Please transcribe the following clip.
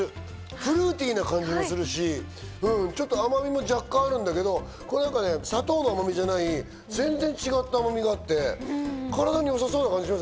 フルーティーな感じもするし、甘みも若干あるんだけど、砂糖の甘みじゃない、全然違った甘みがあって体に良さそうな感じがします。